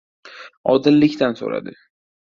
odillikdan so‘radi.